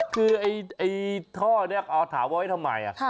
คือไอ้ท่อนี้เอาถามว่าไว้ทำไม